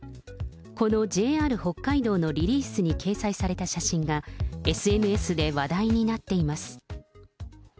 このＪＲ北海道のリリースに掲載された写真がＳＮＳで話題になっています。